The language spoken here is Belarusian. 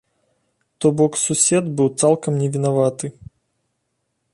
То бок сусед быў цалкам невінаваты.